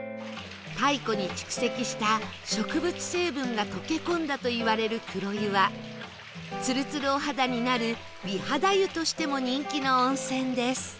太古に蓄積した植物成分が溶け込んだといわれる黒湯はツルツルお肌になる美肌湯としても人気の温泉です